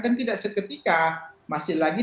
dan tidak seketika masih lagi